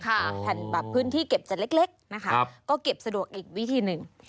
แผ่นแบบพื้นที่เก็บเศษเล็กนะคะก็เก็บสะดวกอีกวิธีหนึ่ง